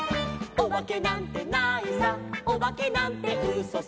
「おばけなんてないさおばけなんてうそさ」